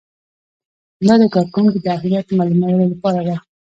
دا د کارکوونکي د اهلیت معلومولو لپاره ده.